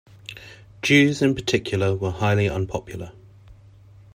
Jews in particular were highly unpopular.